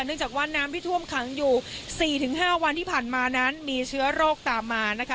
เนื่องจากว่าน้ำที่ท่วมคังอยู่สี่ถึงห้าวันที่ผ่านมานั้นมีเชื้อโรคตามมานะคะ